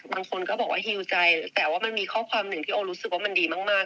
บางคนก็บอกว่าฮิวใจแต่ว่ามันมีข้อความหนึ่งที่โอรู้สึกว่ามันดีมาก